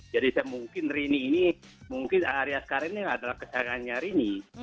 jadi saya mungkin rini ini mungkin ari askara ini adalah kesalahannya rini